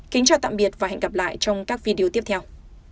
kính chào tạm biệt và hẹn gặp lại trong các video tiếp theo